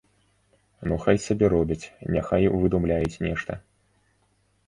Ну хай сабе робяць, няхай выдумляюць нешта.